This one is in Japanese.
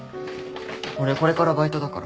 俺これからバイトだから。